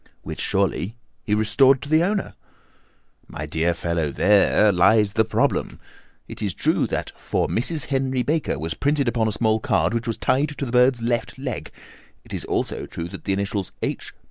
"Which surely he restored to their owner?" "My dear fellow, there lies the problem. It is true that 'For Mrs. Henry Baker' was printed upon a small card which was tied to the bird's left leg, and it is also true that the initials 'H.